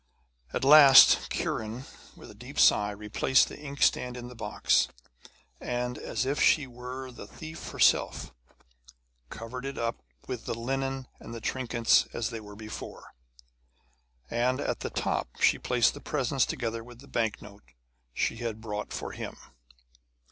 At last Kiran with a deep sigh replaced the inkstand in the box, and, as if she were the thief herself, covered it up with the linen and the trinkets as they were before; and at the top she placed the presents together with the banknote which she had brought for him.